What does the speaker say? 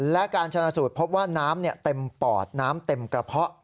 และการชนะสูตรพบว่าน้ำเต็มปอดน้ำเต็มกระเพาะ